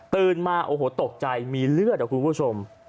มาโอ้โหตกใจมีเลือดอะคุณผู้ชม